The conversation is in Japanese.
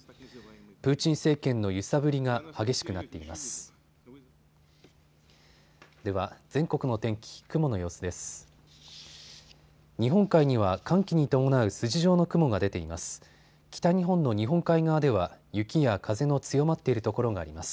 プーチン政権の揺さぶりが激しくなっています。